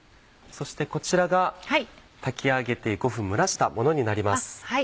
そしてこちらが炊き上げて５分蒸らしたものになります。